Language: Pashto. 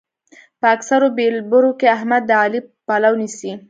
په اکثرو بېلبرو کې احمد د علي پلو نيسي.